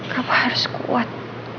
kamu harus kuat